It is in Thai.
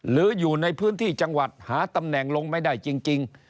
อยู่ในพื้นที่จังหวัดหาตำแหน่งลงไม่ได้จริง